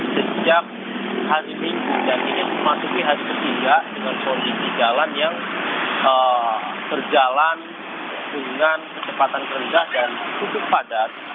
sejak hari minggu dan ini memasuki hari ketiga dengan kondisi jalan yang berjalan dengan kecepatan rendah dan cukup padat